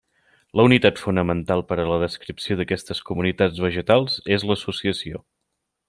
La unitat fonamental per a la descripció d'aquestes comunitats vegetals és l'associació.